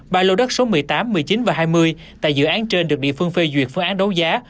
ba lô đất số một mươi tám một mươi chín và hai mươi tại dự án trên được địa phương phê duyệt phương án đấu giá